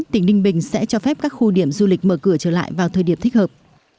tỉnh ninh bình sẽ cho phép các khu điểm du lịch mở cửa trở lại vào thời điểm thích hợp